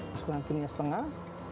masukkan krimnya setengah